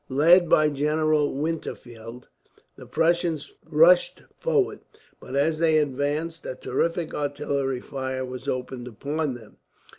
Led by General Winterfeld, the Prussians rushed forward; but as they advanced, a terrific artillery fire was opened upon them.